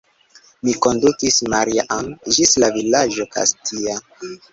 Mi kondukis Maria-Ann ĝis la vilaĝo Kastia.